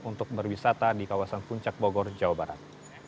untuk berwisata di kawasan puncak bogor jawa barat